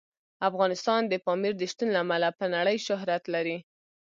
افغانستان د پامیر د شتون له امله په نړۍ شهرت لري.